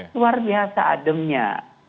luar biasa ademnya